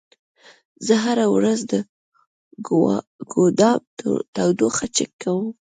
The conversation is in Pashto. زه هره ورځ د ګودام تودوخه چک کوم.